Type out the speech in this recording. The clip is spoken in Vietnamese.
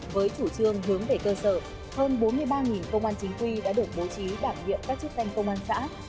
với chủ trương hướng về cơ sở hơn bốn mươi ba công an chính quy đã được bố trí đảm nhiệm các chức danh công an xã